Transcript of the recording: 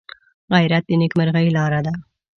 غیرت د نیکمرغۍ لاره ده